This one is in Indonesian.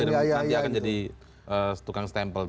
indikasinya apa anda kalau nanti dia akan jadi tukang stempel